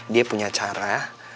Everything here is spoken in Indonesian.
dia punya cara